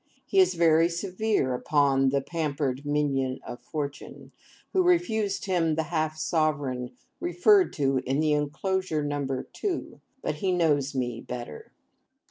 He is very severe upon 'the pampered minion of fortune,' who refused him the half sovereign referred to in the enclosure number two—but he knows me better.